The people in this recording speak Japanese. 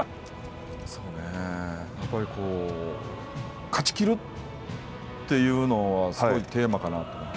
やっぱり勝ちきるというのはすごいテーマかなと。